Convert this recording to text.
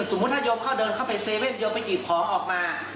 สมมุติถ้ายวมเขาเดินเข้าไปเซเว่นยวมไปกินของออกมา